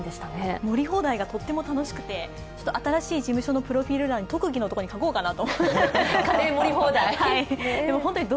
盛り放題がとっても楽しくて、新しい事務所のプロフィール欄に特技のところに書こうかなと。